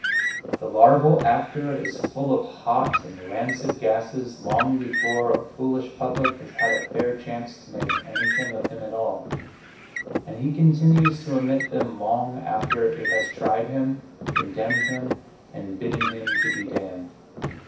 The larval actor is full of hot and rancid gases long before a foolish public has had a fair chance to make anything of him at all, and he continues to emit them long after it has tried him, condemned him and bidden him be damned.